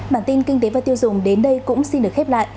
bản tin kinh tế và tiêu dùng đến đây cũng xin được khép lại